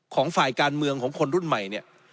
ของฝ่ายการเมืองของคนรุ่นใหม่เนี่ย